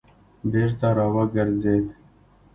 بېرته را وګرځېد.